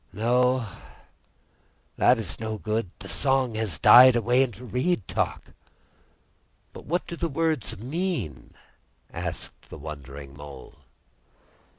No, it is no good; the song has died away into reed talk." "But what do the words mean?" asked the wondering Mole.